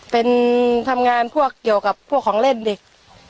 เป็นทำงานพวกเกี่ยวกับพวกของเล่นเด็ก